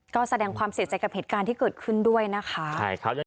ก็แสดงความเสียใจกับเหตุการณ์ที่เกิดขึ้นด้วยนะคะ